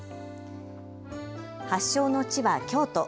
発祥の地は京都。